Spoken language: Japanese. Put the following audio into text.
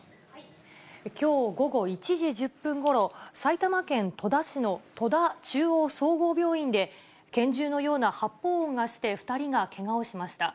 きょう午後１時１０分ごろ、埼玉県戸田市の戸田中央総合病院で、拳銃のような発砲音がして２人がけがをしました。